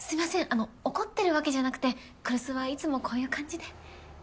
あの怒ってるわけじゃなくて来栖はいつもこういう感じで。